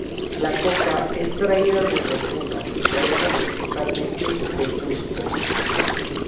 La Coca es traída desde Puno y proviene principalmente de Cusco.